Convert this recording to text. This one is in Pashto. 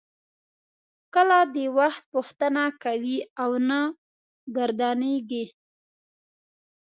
کله د وخت پوښتنه کوي او نه ګردانیږي.